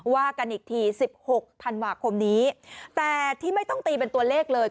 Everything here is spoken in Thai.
ว่ากันอีกทีสิบหกธันวาคมนี้แต่ที่ไม่ต้องตีเป็นตัวเลขเลย